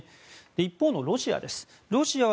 一方のロシアです。